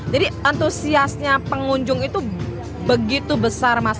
jadi antusiasnya pengunjung itu begitu besar mas